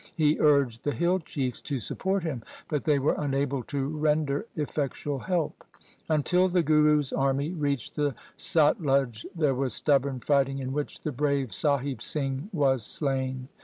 He urged the hill chiefs to support him, but they were unable to render effectual help. Until the Guru's army reached the Satluj there was stubborn fighting, in which the brave Sahib Singh was slain.